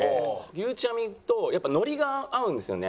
ゆうちゃみとやっぱノリが合うんですよね。